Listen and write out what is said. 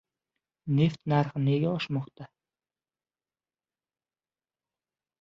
Neft narxi nega oshmoqda?